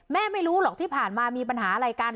ไม่รู้หรอกที่ผ่านมามีปัญหาอะไรกัน